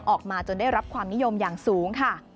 ออกมาจนได้รับความนิยมอย่างสูงค่ะ